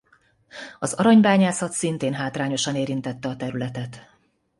Az aranybányászat szintén hátrányosan érintette a területet.